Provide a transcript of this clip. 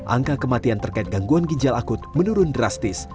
angka kematian terkait gangguan ginjal akut menurun drastis